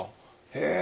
へえ。